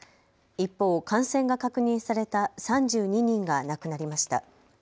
一方、感染が確認された３２人が亡くなりました。